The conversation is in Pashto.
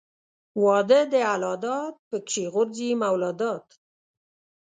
واده د الله داد پکښې غورځي مولاداد.